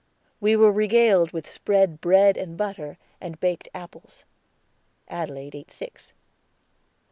We were regaled with spread bread and butter and baked apples. Adelaide ate six.